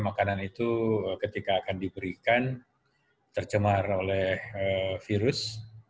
makanan itu ketika akan diberikan tercemar oleh virus